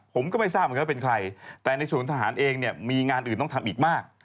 ผมก็ไม่ทราบเหมือนกันว่าเป็นใครแต่ในศูนย์ทหารเองเนี่ยมีงานอื่นต้องทำอีกมาก